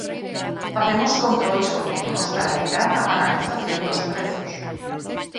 Facemos controis continuos para evitar a banalización dos prezos.